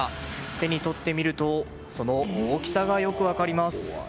手に取ってみるとその大きさがよく分かります。